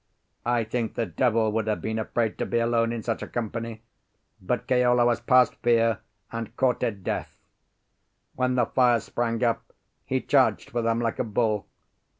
I think the devil would have been afraid to be alone in such a company; but Keola was past fear and courted death. When the fires sprang up, he charged for them like a bull.